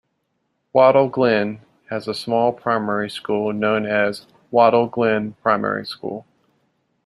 Wattle Glen has a small primary school known as Wattle Glen Primary School.